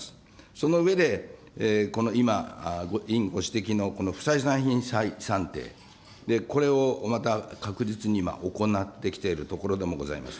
その上で、この今、委員ご指摘の不採算品算定、これをまた確実に今、行ってきているところでもございます。